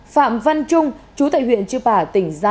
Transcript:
phạm văn trung chú tại huyện chư pả tỉnh gia lai